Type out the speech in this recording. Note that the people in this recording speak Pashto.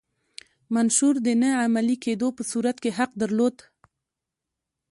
منشور د نه عملي کېدو په صورت کې حق درلود.